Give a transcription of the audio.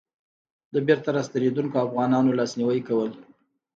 د بېرته راستنېدونکو افغانانو لاسنيوی کول.